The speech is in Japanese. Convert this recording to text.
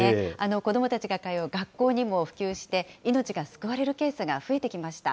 子どもたちが通う学校にも普及して、命が救われるケースが増えてきました。